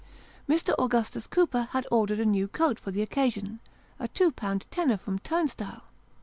Mr. Augustus Cooper had ordered a new coat for the occasion a two pound tenner from Turnstile.